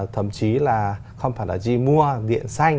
thậm chí là không phải là gì mua điện xanh